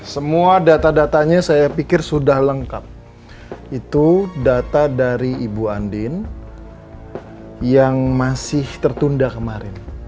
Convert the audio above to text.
semua data datanya saya pikir sudah lengkap itu data dari ibu andin yang masih tertunda kemarin